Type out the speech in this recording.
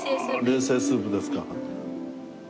冷製スープですか。